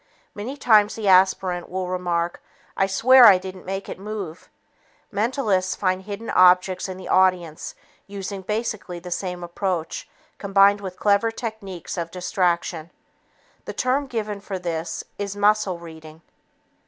Many times the aspirant will remark, "I swear I didn't make it move!" Mentalists find hidden objects in an audience using basically the same approach, combined with clever techniques of distraction. The term given for this is "muscle reading."